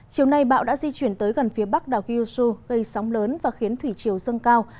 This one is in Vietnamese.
chiều nay bão đã di chuyển tới gần phía bắc đảo kyushu gây sóng lớn và khiến thủy chiều dâng cao